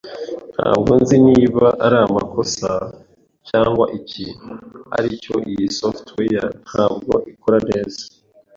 Ntabwo nzi niba ari amakosa cyangwa iki, ariko iyi software ntabwo ikora neza.